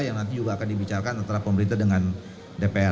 yang nanti juga akan dibicarakan antara pemerintah dengan dpr